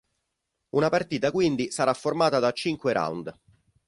Una partita quindi sarà formata da cinque round.